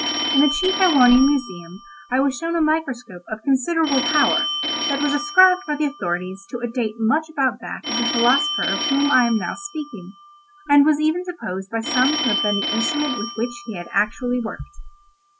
In the chief Erewhonian museum I was shown a microscope of considerable power, that was ascribed by the authorities to a date much about that of the philosopher of whom I am now speaking, and was even supposed by some to have been the instrument with which he had actually worked.